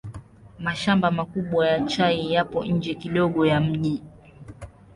Mashamba makubwa ya chai yapo nje kidogo ya mji.